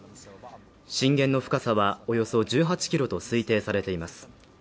震源の深さはおよそ１８ｋｍと推定されています。